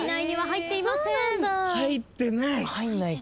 入ってない！？